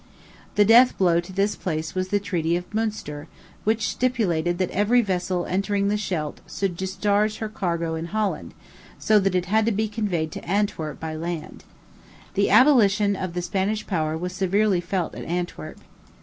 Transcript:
The death blow to this place was the treaty of Munster, which stipulated that every vessel entering the Scheldt should discharge her cargo in Holland, so that it had to be conveyed to Antwerp by land. The abolition of the Spanish power was severely felt at Antwerp.